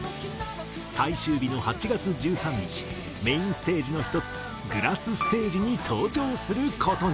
最終日の８月１３日メインステージの一つＧＲＡＳＳＳＴＡＧＥに登場する事に。